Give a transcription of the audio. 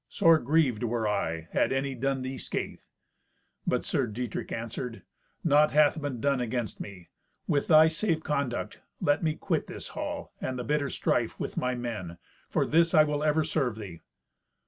Sore grieved were I, had any done thee scathe." But Sir Dietrich answered, "Naught hath been done against me. With thy safe conduct let me quit this hall, and the bitter strife, with my men. For this I will ever serve thee."